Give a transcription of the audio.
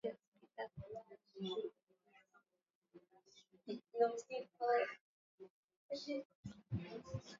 Chanja mbwa